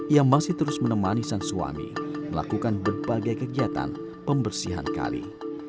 ia masih terus menemani sang suami melakukan berbagai kegiatan pembersihan kali